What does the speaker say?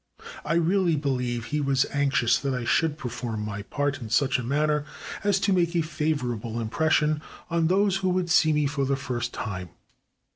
I really beheve he was anxious that I should perform my part in such a manner as to make a favorable impression on those who would see me for the first time.